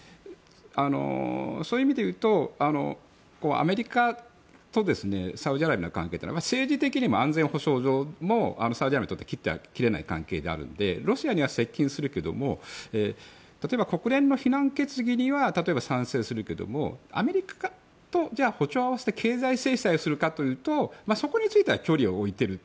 そういう意味でいうとアメリカとサウジアラビアの関係は政治的にも安全保障上もサウジアラビアにとって切っても切れない関係なのでロシアには接近するけども例えば国連の非難決議には例えば、賛成するけどもアメリカとじゃあ、歩調を合わせて経済制裁をするかというとそこについては距離を置いている。